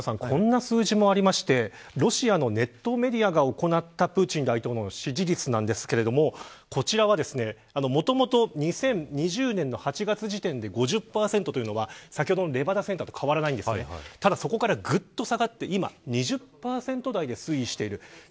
こんな数字もありましてロシアのネットメディアが行ったプーチン大統領の支持率なんですけどもこちらは、もともと２０２０年の８月時点で５０％というのは先ほどのレバダセンターと変わらないんですがただ、そこからぐっと下がって今２０％台で推移している。